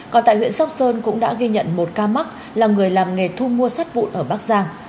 còn tại huyện sóc sơn cũng đã ghi nhận một ca mắc là người làm nghề thu mua sắt vụn ở bắc giang